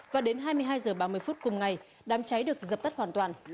và đến hai mươi hai h ba mươi phút cùng ngày đám cháy được dập tắt hoàn toàn